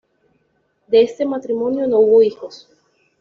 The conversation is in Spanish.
De este matrimonio no hubo hijos.